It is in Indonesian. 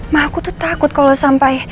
ma aku tuh takut kalo sampe